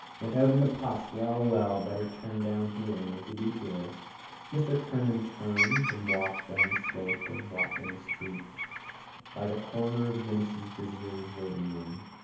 Went out in a puff. Well, well. Better turn down here. Make a detour. Mr Kernan turned and walked down the slope of Watling street by the corner of Guinness's visitors' waitingroom.